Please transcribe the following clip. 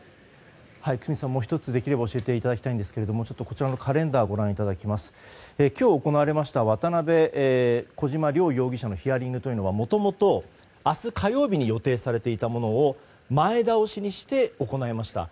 もう１つできれば教えていただきたいんですがカレンダーをご覧いただきますが今日行われました渡邉、小島亮容疑者のヒアリングというのは、もともと明日火曜日に予定されていたものを前倒しにして行いました。